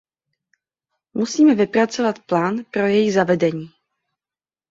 Musíme vypracovat plán pro její zavedení.